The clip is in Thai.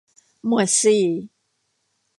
หมวดสี่